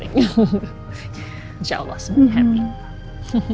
insya allah semuanya senang